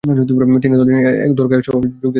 তিনি এতদ্ভিন্ন অন্য এক দরসগাহে ও যোগ দিতেন।